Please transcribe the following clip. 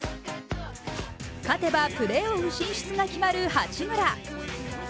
勝てばプレーオフ進出が決まる八村。